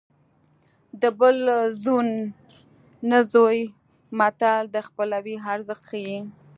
د بل زوی نه زوی متل د خپلوۍ ارزښت ښيي